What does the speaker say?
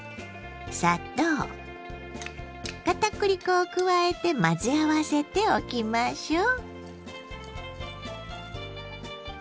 を加えて混ぜ合わせておきましょう。